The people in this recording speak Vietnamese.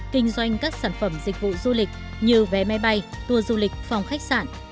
dịch vụ du lịch như vé máy bay tour du lịch phòng khách sạn